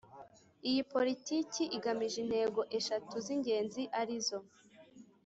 Iyi Politiki igamije intego eshatu z ingenzi arizo